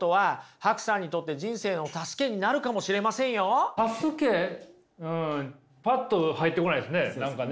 なおさらねパッと入ってこないですね。